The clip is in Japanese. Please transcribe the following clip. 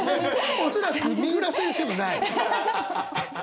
恐らく三浦先生もない。